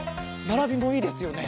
ならびもいいですよね？